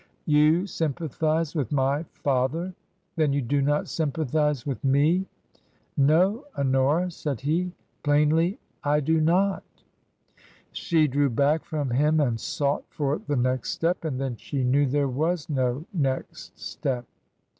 " You sympathize with my father ? Then you do not sympathize with me ?"" No, Honora," said he ;" plainly — I do not." She drew back from him and sought for the next step. And then she knew there was no next step.